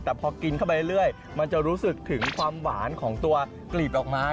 แต่พอกินเข้าไปเรื่อยมันจะรู้สึกถึงความหวานของตัวกลีบดอกไม้